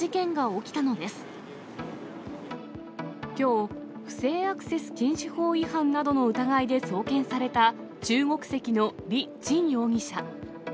きょう、不正アクセス禁止法違反などの疑いで送検された中国籍の李ちん容疑者。